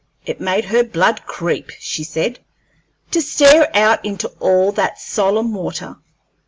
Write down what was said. It made her blood creep, she said, to stare out into all that solemn water.